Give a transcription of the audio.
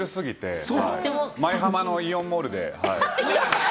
舞浜のイオンモールで。